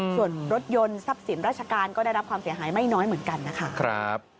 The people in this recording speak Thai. ส่วนรถยนต์ทรัพย์สินราชการก็ได้รับความเสียหายไม่น้อยเหมือนกันนะคะ